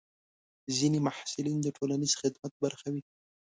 ځینې محصلین د ټولنیز خدمت برخه وي.